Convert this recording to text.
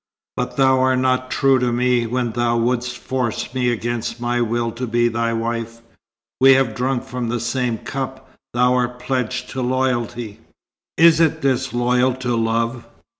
"But thou art not true to me when thou wouldst force me against my will to be thy wife. We have drunk from the same cup. Thou art pledged to loyalty." "Is it disloyal to love?"